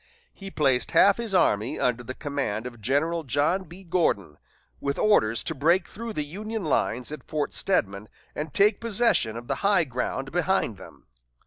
He placed half his army under the command of General John B. Gordon, with orders to break through the Union lines at Fort Stedman and take possession of the high ground behind them.